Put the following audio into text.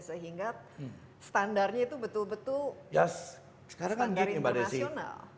sehingga standarnya itu betul betul standar internasional